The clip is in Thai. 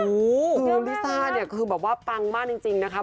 คือน้องลิซ่าเนี่ยคือแบบว่าปังมากจริงนะคะ